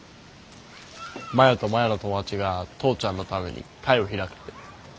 マヤとマヤの友達が父ちゃんのために会を開くって。